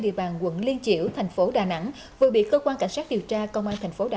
địa bàn quận liên triểu thành phố đà nẵng vừa bị cơ quan cảnh sát điều tra công an thành phố đà